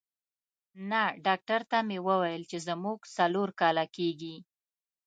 نه، ډاکټر ته مې وویل چې زموږ څلور کاله کېږي.